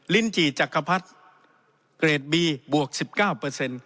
ลินจีจักรพรรดิเกรดบีบวก๑๙